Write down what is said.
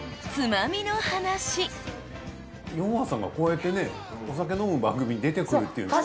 ヨンアさんがこうやってねお酒飲む番組に出てくるっていうのは。